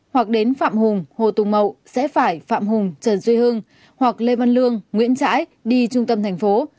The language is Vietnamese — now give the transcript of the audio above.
hoặc đến phạm hùng hồ tùng mậu sẽ phải phạm hùng trần duy hưng hoặc lê văn lương nguyễn trãi đi trung tâm thành phố